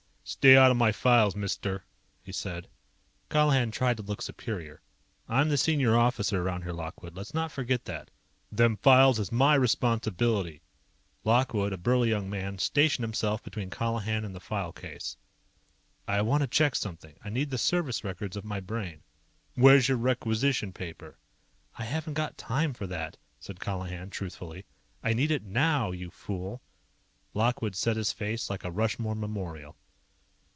"Stay out of my files, mister," he said. Colihan tried to look superior. "I'm the senior around here, Lockwood. Let's not forget that." "Them files is my responsibility." Lockwood, a burly young man, stationed himself between Colihan and the file case. "I want to check something. I need the service records of my Brain." "Where's your Requisition Paper?" "I haven't got time for that," said Colihan truthfully. "I need it now, you fool." Lockwood set his face like a Rushmore memorial.